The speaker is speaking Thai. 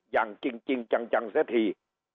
อย่างจริงจังซะที